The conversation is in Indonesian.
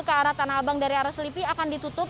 ke arah tanah abang dari arah selipi akan ditutup